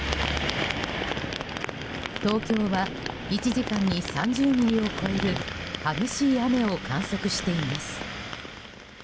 東京は１時間に３０ミリを超える激しい雨を観測しています。